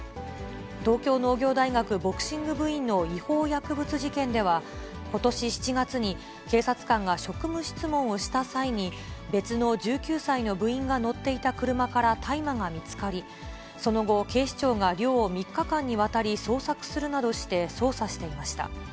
東京農業大学ボクシング部員の違法薬物事件では、ことし７月に、警察官が職務質問をした際に、別の１９歳の部員が乗っていた車から大麻が見つかり、その後、警視庁が寮を３日間にわたり捜索するなどして捜査していました。